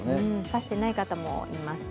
差してない方もいます。